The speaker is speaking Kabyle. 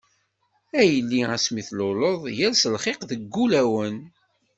A yelli asmi tluleḍ, yers lxiq deg wulawen.